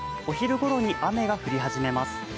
お昼ごろに雨が降り始めます。